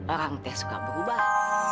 orang teh suka berubah